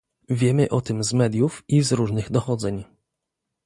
Wiemy o tym z mediów i z różnych dochodzeń